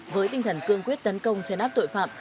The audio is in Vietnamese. với tinh thần cương quyết tấn công trái đáp tội phạm